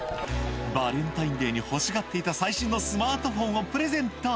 「バレンタインデーに欲しがっていた最新のスマートフォンをプレゼント」